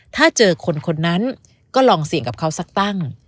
ถ้าเจอคนคนนั้นก็ลองเสี่ยงกับเขาสักตั้ง